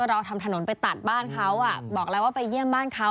เราทำถนนไปตัดบ้านเขาบอกแล้วว่าไปเยี่ยมบ้านเขา